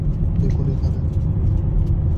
দেখুন, এখানে।